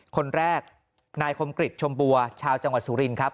คนแรกนายคมกริจชมบัวชาวจังหวัดสุรินครับ